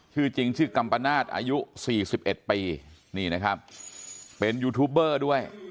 ชื่อจริงชื่อกัมปนาศอายุ๔๑ปีนี่นะครับเป็นยูทูปเบอร์ด้วย